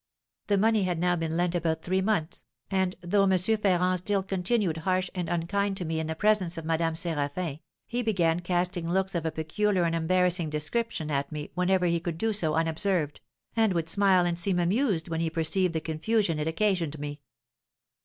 "The money had now been lent about three months, and, though M. Ferrand still continued harsh and unkind to me in the presence of Madame Séraphin, he began casting looks of a peculiar and embarrassing description at me whenever he could do so unobserved, and would smile and seem amused when he perceived the confusion it occasioned me."